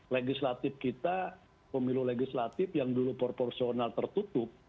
legislatif kita pemilu legislatif yang dulu proporsional tertutup